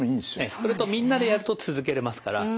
それとみんなでやると続けれますから。